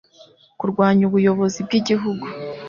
kurwanya ubuyobozi bw igihugu